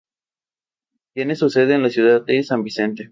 En el panel, Montana nuevamente impresiona a los jueces por su buen desempeño.